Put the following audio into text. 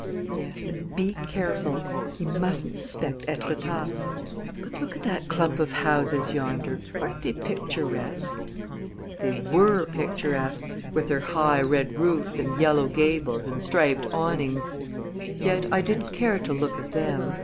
"Yes; and be careful. He mustn't suspect Etretat. But look at that clump of houses yonder aren't they picturesque?" They were picturesque, with their high red roofs and yellow gables and striped awnings; yet I didn't care to look at them.